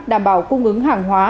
đảm bảo cung ứng hàng hóa